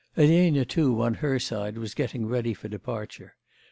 Elena too on her side was getting ready for departure.